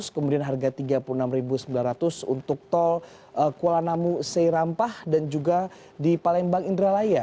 kemudian harga rp tiga puluh enam sembilan ratus untuk tol kuala namu seirampah dan juga di palembang indralaya